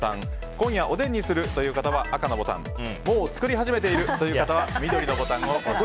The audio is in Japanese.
今夜おでんにするという方は赤のボタンもう作り始めているという方は緑のボタンを押してください。